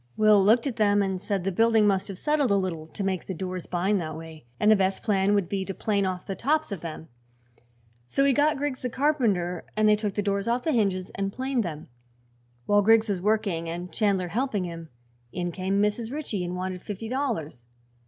Will looked at them and said the building must have settled a little, to make the doors bind that way, and the best plan would be to plane off the tops of them. So he got Griggs the carpenter and they took the doors off the hinges and planed them. While Griggs was working and Chandler helping him, in came Mrs. Ritchie and wanted fifty dollars.